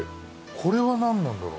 これはなんなんだろう？